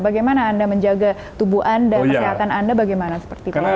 bagaimana anda menjaga tubuh anda kesehatan anda bagaimana seperti pak